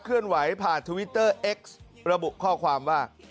เลื่อนไหวผ่านทวิตเตอร์เอ็กซ์ระบุข้อความว่า